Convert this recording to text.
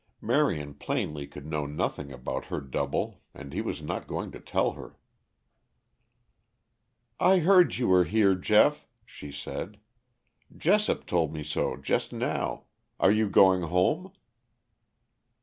Marion plainly could know nothing about her double and he was not going to tell her. "I heard you were here, Geoff," she said. "Jessop told me so just now. Are you going home?"